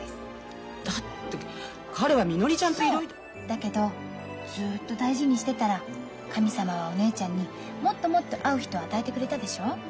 だけどずっと大事にしてたら神様はお姉ちゃんにもっともっと合う人を与えてくれたでしょ？